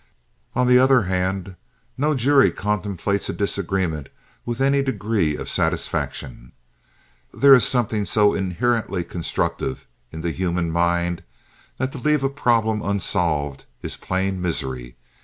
On the other hand, no jury contemplates a disagreement with any degree of satisfaction. There is something so inherently constructive in the human mind that to leave a problem unsolved is plain misery.